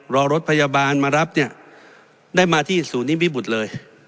รอรถพยาบาลมารับเนี่ยได้มาที่ศูนย์นิมิบุตรเลย